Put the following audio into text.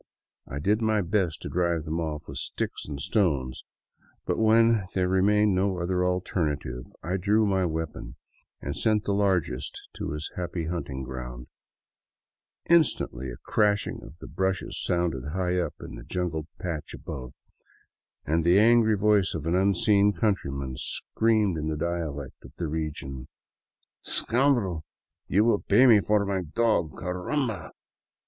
I did my best to drive them off with sticks and stones, but when there remained no other alternative I drew my weapon and sent the largest to his happy hunting grounds. Instantly a crashing of the bushes sounded high up in a jungled patch above, and the angry voice of an unseen countryman screamed in the dialect of the region :" Scoundrel, you '11 pay me for my dog, caramba